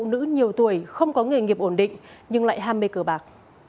nữ nhiều tuổi không có nghề nghiệp ổn định nhưng lại ham mê cờ bạc